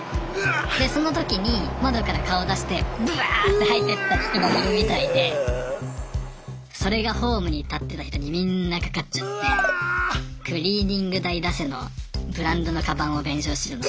でその時に窓から顔出してブワーッて吐いてった人がいるみたいでそれがホームに立ってた人にみんなかかっちゃってクリーニング代出せのブランドのカバンを弁償しろの。